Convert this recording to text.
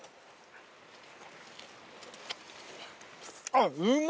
あっ。